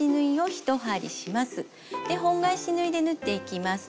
で本返し縫いで縫っていきます。